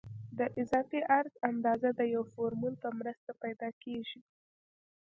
د اضافي عرض اندازه د یو فورمول په مرسته پیدا کیږي